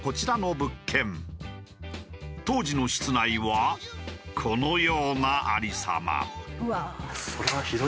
当時の室内はこのような有り様。